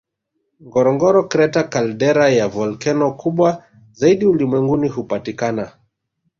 Ngorongoro Crater caldera ya volkeno kubwa zaidi ulimwenguni hupatikana